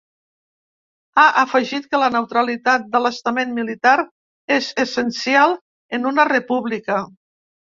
Ha afegit que la neutralitat de l’estament militar és essencial en una república.